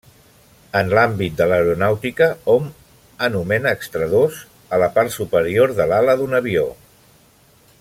En l'àmbit de l'aeronàutica, hom anomena extradós a la part superior de l'ala d'un avió.